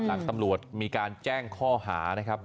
หลังตำรวจมีการแจ้งข้อหานะครับ